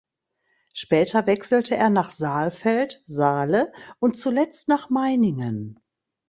Später wechselte er nach Saalfeld (Saale) und zuletzt nach Meiningen.